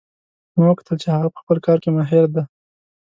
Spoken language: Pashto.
ما وکتل چې هغه په خپل کار کې ماهر ده